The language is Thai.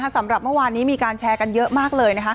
สำหรับเมื่อวานนี้มีการแชร์กันเยอะมากเลย